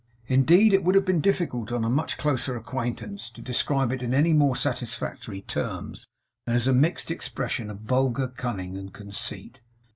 Indeed it would have been difficult, on a much closer acquaintance, to describe it in any more satisfactory terms than as a mixed expression of vulgar cunning and conceit.